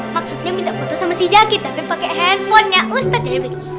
maksudnya minta foto sama si zaky tapi pakai handphone ya ustadz